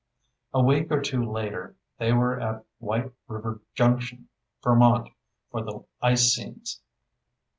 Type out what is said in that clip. A week or two later, they were at White River Junction. Vermont, for the ice scenes.